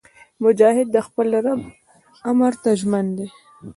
مجاهد د خپل رب امر ته ژمن دی.